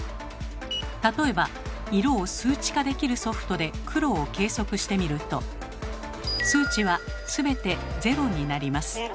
例えば色を数値化できるソフトで黒を計測してみると数値は全て「０」になります。